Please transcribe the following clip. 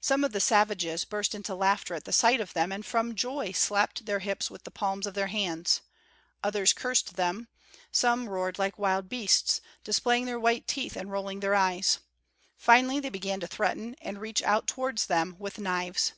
Some of the savages burst out into laughter at the sight of them and from joy slapped their hips with the palms of their hands; others cursed them; some roared like wild beasts, displaying their white teeth and rolling their eyes; finally they began to threaten and reach out towards them with knives.